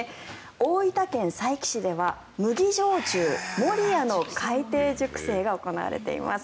大分県佐伯市では麦焼酎、杜谷の海底熟成が行われています。